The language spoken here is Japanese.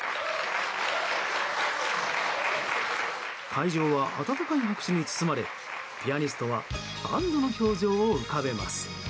会場は温かい拍手に包まれピアニストは安堵の表情を浮かべます。